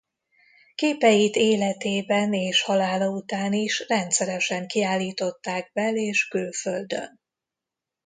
Képeit életében és halála után is rendszeresen kiállították bel- és külföldön.